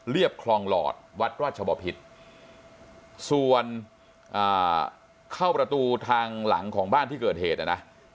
คลองหลอดวัดราชบพิษส่วนเข้าประตูทางหลังของบ้านที่เกิดเหตุนะนะ